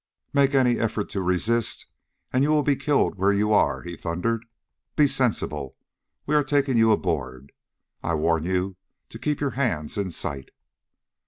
"Make any effort to resist, and you will be killed where you are!" he thundered. "Be sensible! We are taking you aboard. I warn you to keep your hands in sight!"